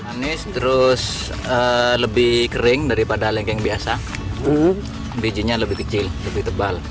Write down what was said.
manis terus lebih kering daripada lengkeng biasa bijinya lebih kecil lebih tebal